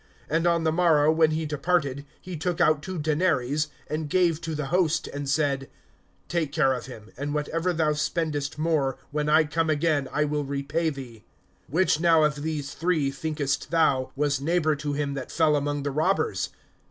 (35)And on the morrow when he departed, he took out two denaries[10:35] and gave to the host, and said: Take care of him; and whatever thou spendest more, when I come again, I will repay thee. (36)Which now of these three, thinkest thou, was neighbor to him that fell among the robbers?